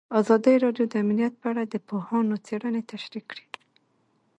ازادي راډیو د امنیت په اړه د پوهانو څېړنې تشریح کړې.